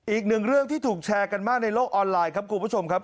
อีกหนึ่งเรื่องที่ถูกแชร์กันมากในโลกออนไลน์ครับคุณผู้ชมครับ